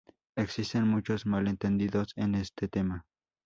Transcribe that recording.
Existen muchos malentendidos en este tema.